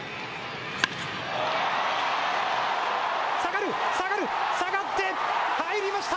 下がる、下がる、下がって、入りました！